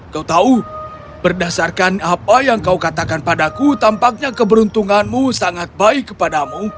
kau tahu berdasarkan apa yang kau katakan padaku tampaknya keberuntunganmu sangat baik kepadamu